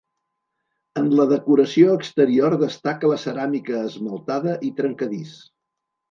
En la decoració exterior destaca la ceràmica esmaltada i trencadís.